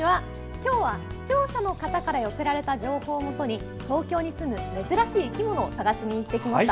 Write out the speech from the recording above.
今日は視聴者の方から寄せられた情報をもとに東京に住む珍しい生き物を探しにいってきました。